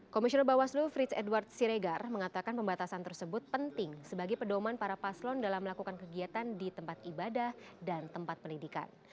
komisioner bawaslu frits edward siregar mengatakan pembatasan tersebut penting sebagai pedoman para paslon dalam melakukan kegiatan di tempat ibadah dan tempat pendidikan